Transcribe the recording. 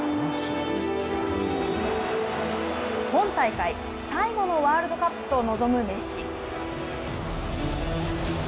今大会、最後のワールドカップと臨むメッシ。